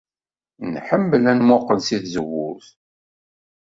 Nḥemmel ad nemmuqqel seg tzewwut.